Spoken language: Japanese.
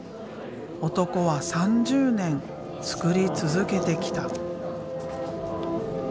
男は３０年つくり続けてきた。